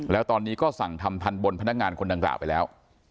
แล้วตอนนี้ก็สั่งทำทันบนพนักงานคนดังกล่าวไปแล้ว